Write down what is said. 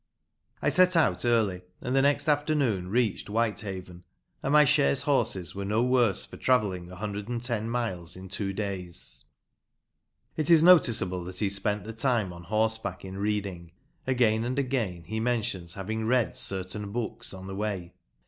I set out early, and the next afternoon reached Whitehaven ; and my chaise horses were no worse for travelling no miles in two days. It is noticeable that he spent the time on horseback in reading; again and again he mentions having read certain books on the way.